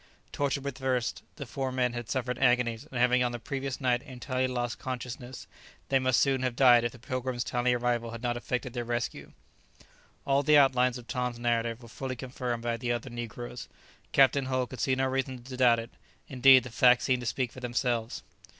Tortured with thirst, the poor men had suffered agonies, and having on the previous night entirely lost consciousness, they must soon have died if the "Pilgrim's" timely arrival had not effected their rescue. All the outlines of Tom's narrative were fully confirmed by the other negroes; Captain Hull could see no reason to doubt it; indeed, the facts seemed to speak for themselves.